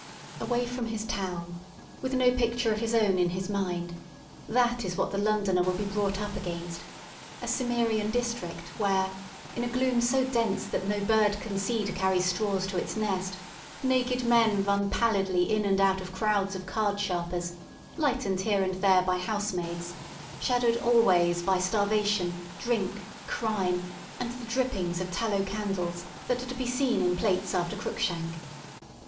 ' Away from his town, with no picture of his own in his mind, that is what the Londoner will be brought up against — a Cimmerian district where, in a gloom so dense that no bird can see to carry straws to its nest, naked men run pallidly in and out of crowds of card* sharpers, lightened here and there by housemaids, shadowed always by starvation, drink, crime, and the drippings of tallow candles that are to be seen in plates after Cruikshank.